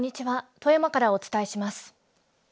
富山からお伝えします。